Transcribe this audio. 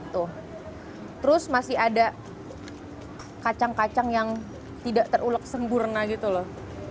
terus masih ada kacang kacang yang tidak terulek sempurna gitu loh